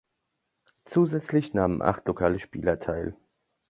Zusätzlich nahmen acht lokale Spieler teil.